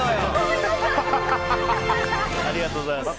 ありがとうございます。